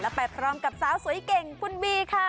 ไปพร้อมกับสาวสวยเก่งคุณบีค่ะ